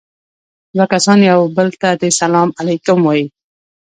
دوه کسان يو بل ته دې سلام عليکم ووايي.